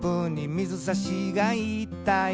「水さしが言ったよ」